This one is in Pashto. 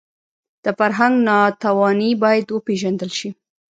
د فرهنګ ناتواني باید وپېژندل شي